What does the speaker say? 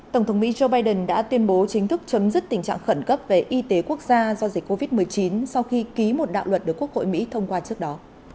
tổng thống mỹ joe biden đã tuyên bố chính thức chấm dứt tình trạng khẩn cấp về y tế quốc gia do dịch covid một mươi chín sau khi ký một đạo luật được quốc hội mỹ thông qua trước đó